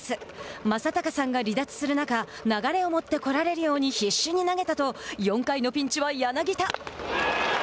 正尚さんが離脱する中流れを持ってこられるように必死に投げたと４回のピンチは柳田。